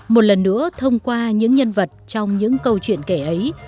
một lần nữa thông qua những nhân vật trong những câu chuyện kể ấy